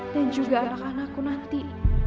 dan juga anak anakku nanti